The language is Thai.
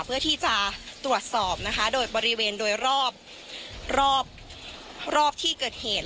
เพื่อที่จะตรวจสอบนะคะโดยบริเวณโดยรอบรอบที่เกิดเหตุ